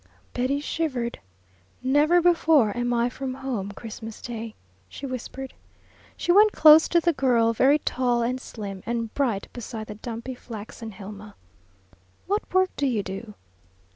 Betty shivered. "Never before am I from home Christmas day," she whispered. She went close to the girl, very tall and slim and bright beside the dumpy, flaxen Hilma. "What work do you do?"